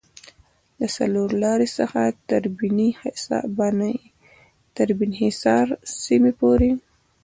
له څلورلارې څخه تر بیني حصار سیمې پورې